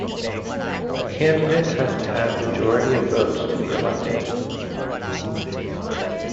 A candidate has to have majority of votes to be elected.